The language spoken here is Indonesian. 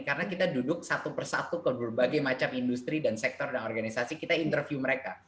karena kita duduk satu persatu ke berbagai macam industri dan sektor dan organisasi kita interview mereka